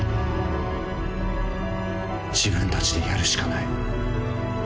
自分たちでやるしかない。